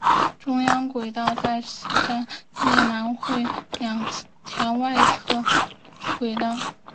中央轨道在此站以南汇入两条外侧轨道。